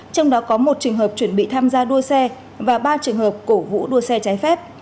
trong đó có một trường hợp chuẩn bị tham gia đua xe và ba trường hợp cổ vũ đua xe trái phép